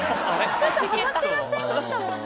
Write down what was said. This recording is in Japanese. ちょっとハマってらっしゃいましたもんね。